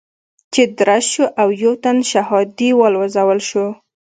چې درز شو او يو تن شهادي والوزول شو.